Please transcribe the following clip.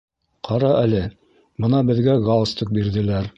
Ҡара әле, бына беҙгә галстук бирҙеләр.